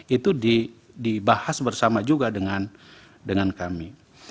itu dibahas bersama juga dengan kami